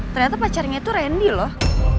ternyata pacarnya itu randy loh